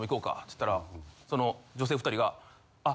つったらその女性２人が。